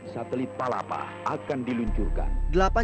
satelit palapa akan diluncurkan